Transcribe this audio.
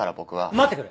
待ってくれ。